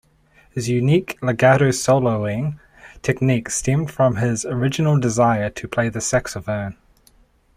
His unique legato soloing technique stemmed from his original desire to play the saxophone.